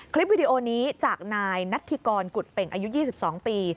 วิดีโอนี้จากนายนัทธิกรกุฎเป่งอายุ๒๒ปี